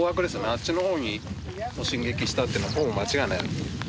あっちのほうに進撃したというのはほぼ間違いない。